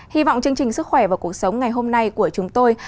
hy vọng chương trình sức khỏe và cuộc sống ngày hôm nay của chúng tôi